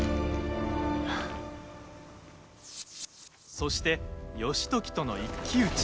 そして、義時との一騎打ち。